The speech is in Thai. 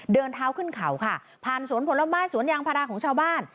เดินท้าวขึ้นขาวผ่านสวนผลบ้านสวนยางพระราชว์ของชาวบ้าน